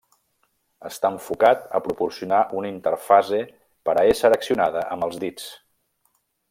Està enfocat a proporcionar una interfase per a ésser accionada amb els dits.